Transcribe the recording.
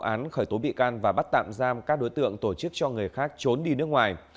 án khởi tố bị can và bắt tạm giam các đối tượng tổ chức cho người khác trốn đi nước ngoài